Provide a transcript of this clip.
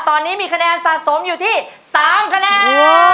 ตอนนี้มีคะแนนสะสมอยู่ที่๓คะแนน